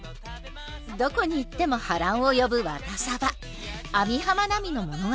どこに行っても波乱を呼ぶワタサバ網浜奈美の物語。